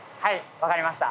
分かりました。